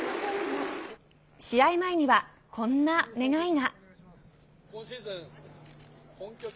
試合前にはこんな願いが。